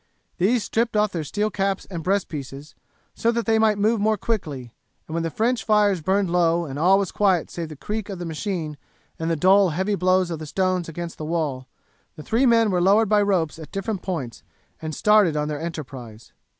These stripped off their steel caps and breastpieces, so that they might move more quickly, and when the French fires burned low and all was quiet save the creak of the machine and the dull heavy blows of the stones against the wall, the three men were lowered by ropes at different points, and started on their enterprise.